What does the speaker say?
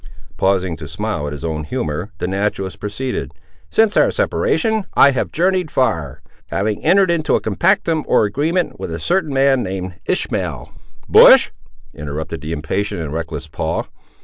Pausing to smile at his own humour, the naturalist proceeded. "Since our separation, I have journeyed far, having entered into a compactum or agreement with a certain man named Ishmael—" "Bush!" interrupted the impatient and reckless Paul.